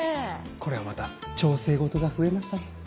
これはまた調整事が増えましたね。